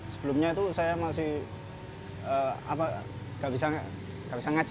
sebelumnya itu saya masih nggak bisa ngaji